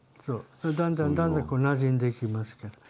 だんだんだんだんなじんできますから。